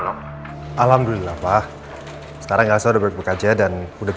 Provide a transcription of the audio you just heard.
tapi masalahnya saya sudah sangat percaya dengan papa